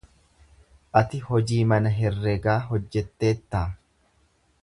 Ati hojii mana herregaa hojjatteettaa?